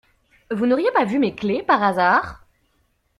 Vous n'auriez pas vu mes clés, par hasard?